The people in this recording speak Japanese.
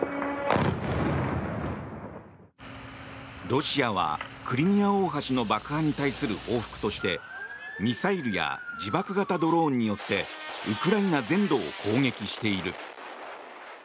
ロシアはクリミア大橋の爆破に対する報復としてミサイルや自爆型ドローンによってウクライナ全土を攻撃している。